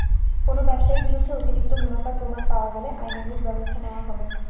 কোনো ব্যবসায়ীর বিরুদ্ধে অতিরিক্ত মুনাফার প্রমাণ পাওয়া গেলে আইনানুগ ব্যবস্থা নেওয়া হবে।